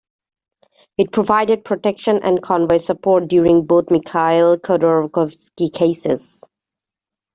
It provided protection and convoy support during both Mikhail Khodorkovsky cases.